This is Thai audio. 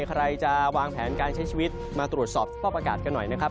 ใครจะวางแผนการใช้ชีวิตมาตรวจสอบสภาพอากาศกันหน่อยนะครับ